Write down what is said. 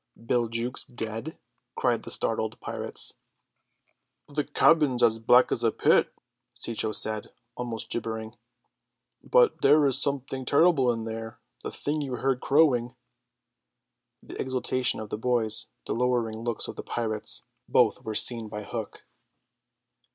"Bill Jukes dead!" cried the startled pirates. "The cabin's as black as a pit," Cecco said, almost gibbering, "but there is something terrible in there: the thing you heard crowing." The exultation of the boys, the lowering looks of the pirates, both were seen by Hook.